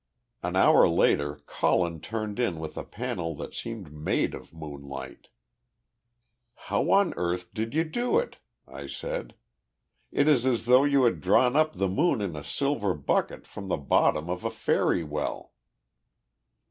An hour later Colin turned in with a panel that seemed made of moonlight. "How on earth did you do it?" I said. "It is as though you had drawn up the moon in a silver bucket from the bottom of a fairy well."